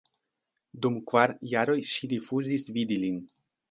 Dum kvar jaroj ŝi rifuzis vidi lin.